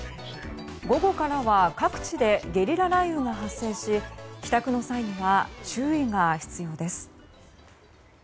午後からは各地でゲリラ雷雨が発生し帰宅の際には注意が必要です。